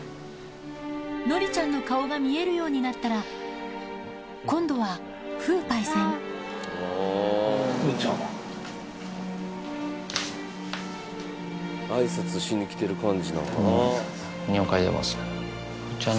のりちゃんの顔が見えるようになったら今度は風パイセン挨拶しに来てる感じなんかな。